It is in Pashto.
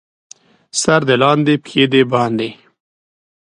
سر دې لاندې، پښې دې باندې.